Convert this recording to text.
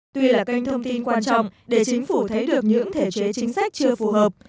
tuy là kênh thông tin quan trọng để chính phủ thấy được những thể chế chính sách chưa phù hợp